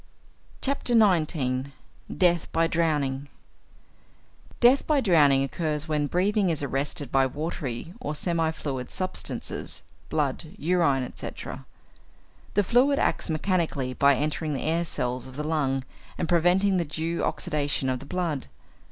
XIX. DEATH BY DROWNING Death by drowning occurs when breathing is arrested by watery or semi fluid substances blood, urine, etc. The fluid acts mechanically by entering the air cells of the lung and preventing the due oxidation of the blood.